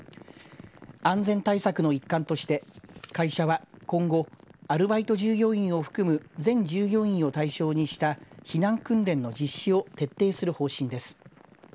安全対策の一環として会社は今後、アルバイト従業員を含む全従業員を対象にした避難訓練の実施を徹底する方針です。